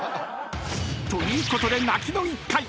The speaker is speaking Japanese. ［ということで泣きの１回］